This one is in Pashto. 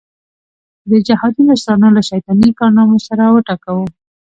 د جهادي مشرانو له شیطاني کارنامو سر وټکاوه.